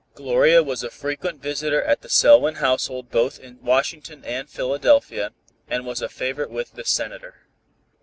Gloria was a frequent visitor at the Selwyn household both in Washington and Philadelphia, and was a favorite with the Senator.